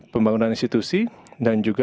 pembangunan institusi dan juga